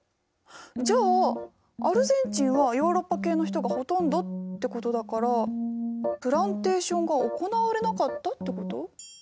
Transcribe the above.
じゃあアルゼンチンはヨーロッパ系の人がほとんどってことだからプランテーションが行われなかったってこと？